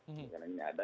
kemungkinan ini ada